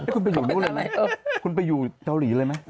คุณไปอยู่รู้เลยไหมคุณไปอยู่เจ้าหรี่เลยไหม